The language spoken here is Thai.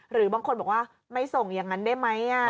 หรือบางคนบอกว่าไม่ส่งอย่างนั้นได้ไหม